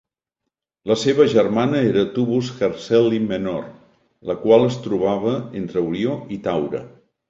La seva germana era Tubus Hershelli Menor, la qual es trobava entre Orió i Taure.